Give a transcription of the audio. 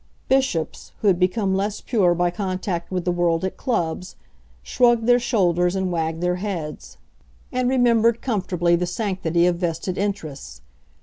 Bishops, who had become less pure by contact with the world at clubs, shrugged their shoulders and wagged their heads, and remembered comfortably the sanctity of vested interests.